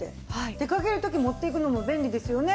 出かける時持っていくのも便利ですよね。